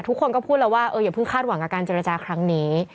ทุกคนก็พูดแล้วว่าอย่าเพิ่งคาดหวังกับการเจรจาครั้งนี้